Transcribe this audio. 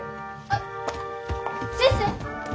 あっ先生！